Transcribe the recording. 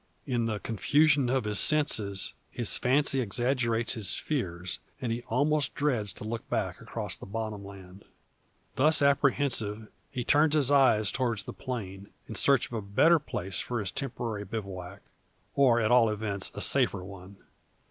In the confusion of his senses, his fancy exaggerates his fears, and he almost dreads to look back across the bottom land. Thus apprehensive, he turns his eyes towards the plain, in search of a better place for his temporary bivouac, or at all events a safer one.